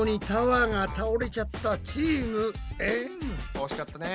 惜しかったね。